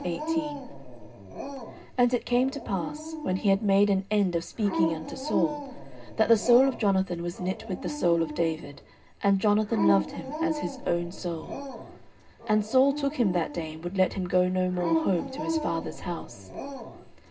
09:018:001 And it came to pass, when he had made an end of speaking unto Saul, that the soul of Jonathan was knit with the soul of David, and Jonathan loved him as his own soul. 09:018:002 And Saul took him that day, and would let him go no more home to his father's house.